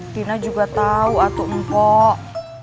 tina juga tau atuk mpok